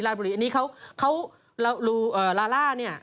อันนี้เขาลาล่าเนี่ย